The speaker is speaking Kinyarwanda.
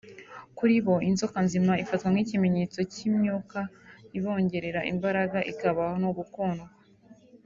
kuri bo inzoka nzima ifatwa nk’ikimenyetso cy’imyuka ibongerera imbaraga ikabaha no gukundwa